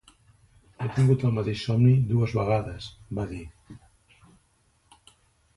"He tingut el mateix somni dues vegades" va dir.